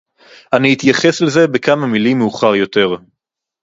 אני אתייחס לזה בכמה מלים מאוחר יותר